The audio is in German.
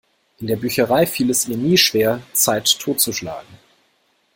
In der Bücherei fiel es ihr nie schwer, Zeit totzuschlagen.